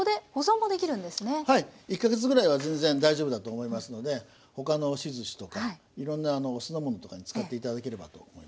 １か月ぐらいは全然大丈夫だと思いますので他の押しずしとかいろんなお酢の物とかに使っていただければと思います。